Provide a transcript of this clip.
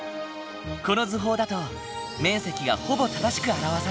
この図法だと面積がほぼ正しく表される。